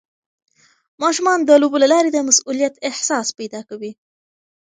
ماشومان د لوبو له لارې د مسؤلیت احساس پیدا کوي.